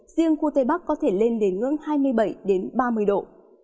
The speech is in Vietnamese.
riêng khu tây bắc có thể lên đến ngưỡng hai mươi bảy ba mươi độ